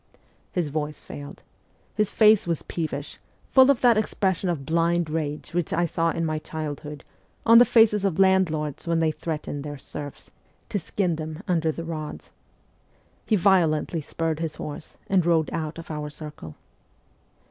' His voice failed ; his face was peevish, full of that expression of blind rage which I saw in my childhood on the faces of landlords when they threatened their serfs 'to skin them under the rods.' He violently spurred his horse, and rode out of our circle.